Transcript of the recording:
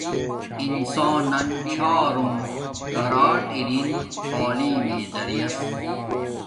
انسان نن چھارونگ کارٹ ارین تعلیم مݵݵ زریعس